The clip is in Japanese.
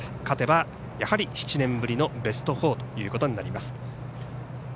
勝てば７年ぶりのベスト４ということになります。